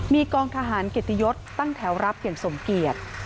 มีกองทหารเกียรติยศตั้งแถวรับอย่างสมเกียจ